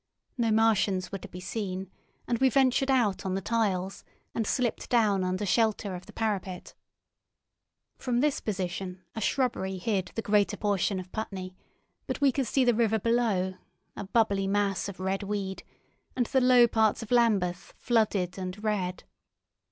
No Martians were to be seen, and we ventured out on the tiles, and slipped down under shelter of the parapet. From this position a shrubbery hid the greater portion of Putney, but we could see the river below, a bubbly mass of red weed, and the low parts of Lambeth flooded and red.